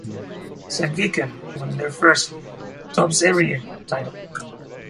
Sandviken won their first Toppserien title.